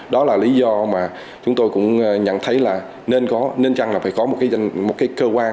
đó là lý do mà chúng tôi cũng nhận thấy là nên chăng là phải có một cơ quan